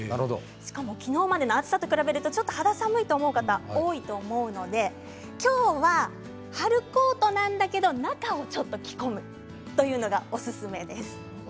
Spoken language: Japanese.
しかもきのうまでの暑さと比べるとちょっと肌寒いと思う方多いと思うのできょうは春コートなんだけど中をちょっと着込むというのがおすすめです。